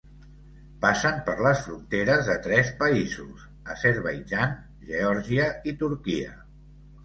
Passen per les fronteres de tres països: Azerbaidjan, Geòrgia i Turquia.